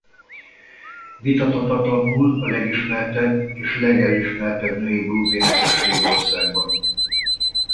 Vitathatatlanul a legismertebb és legelismertebb női blues énekes Svédországban.